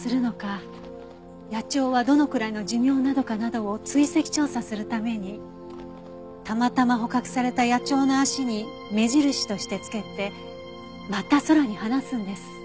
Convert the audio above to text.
野鳥はどのくらいの寿命なのかなどを追跡調査するためにたまたま捕獲された野鳥の足に目印としてつけてまた空に放すんです。